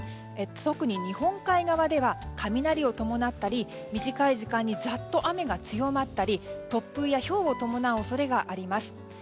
特に日本海側では雷を伴ったり短い時間にざっと雨が強まったり突風やひょうを伴う恐れもあります。